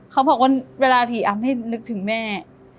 เขาบอกว่าเวลาผีอำให้นึกถึงแม่